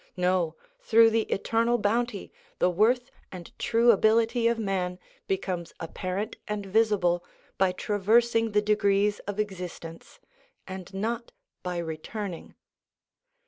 No, through the Eternal Bounty the worth and true ability of man becomes apparent and visible by traversing the degrees of existence, and not by re turning.